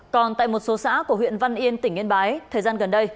còn tại một số xã của huyện văn yên tỉnh yên bái thời gian gần đây